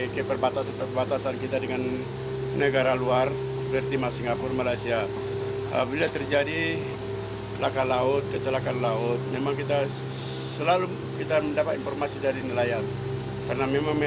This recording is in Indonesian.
karena memang mereka sambil mencari ikan